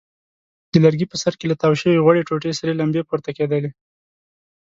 د لرګي په سر کې له تاو شوې غوړې ټوټې سرې لمبې پورته کېدلې.